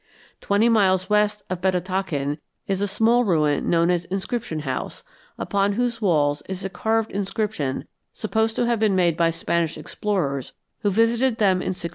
Twenty miles west of Betatakin is a small ruin known as Inscription House upon whose walls is a carved inscription supposed to have been made by Spanish explorers who visited them in 1661.